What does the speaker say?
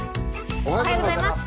おはようございます。